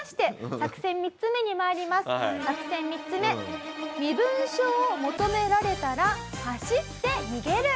作戦３つ目「身分証を求められたら走って逃げる」。